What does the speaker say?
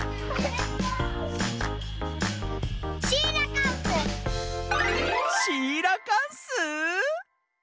シーラカンス！